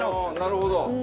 なるほど。